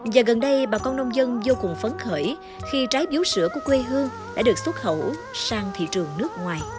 và gần đây bà con nông dân vô cùng phấn khởi khi trái biếu sữa của quê hương đã được xuất khẩu sang thị trường nước ngoài